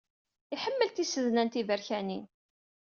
Iḥemmel tisednan tiberkanin.